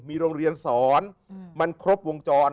มีโรงเรียนสอนมันครบวงจร